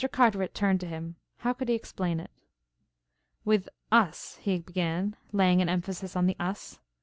Carteret turned to him. How could he explain it? "With us," he began, laying an emphasis on the "us."